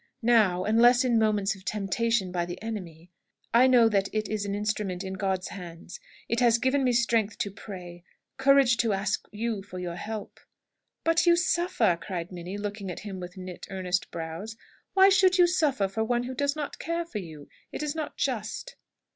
Now unless in moments of temptation by the enemy I know that it is an instrument in God's hands. It has given me strength to pray, courage to ask you for your help." "But you suffer!" cried Minnie, looking at him with knit, earnest brows. "Why should you suffer for one who does not care for you? It is not just."